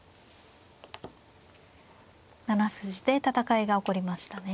７筋で戦いが起こりましたね。